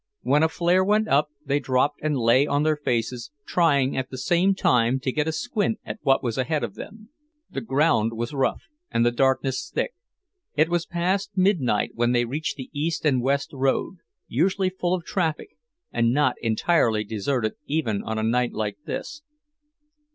When a flare went up, they dropped and lay on their faces, trying, at the same time, to get a squint at what was ahead of them. The ground was rough, and the darkness thick; it was past midnight when they reached the east and west road usually full of traffic, and not entirely deserted even on a night like this.